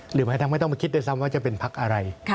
หรือหมายทั้งไม่ต้องมาคิดด้วยซ้ำว่าจะเป็นพักอะไร